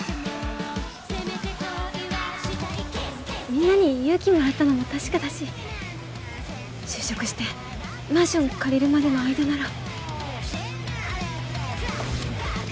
みんなに勇気もらったのも確かだし就職してマンション借りるまでの間なら。